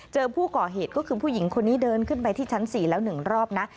เจอผู้ก่อเหตุก็คือผู้หญิงคนนี้เดินขึ้นไปที่ชั้น๔แล้ว๑รอบนะ